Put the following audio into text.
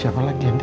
siapa lagi andis